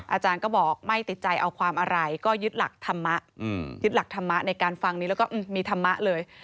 อาจารย์ก็บอกไม่ติดใจเอาความอะไรก็ยึดหลักธรรมะยึดหลักธรรมะในการฟังนี้แล้วก็มีธรรมะเลย